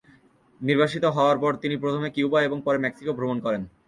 নির্বাসিত হওয়ার পর তিনি প্রথমে কিউবা এবং পরে মেক্সিকো ভ্রমণ করেন।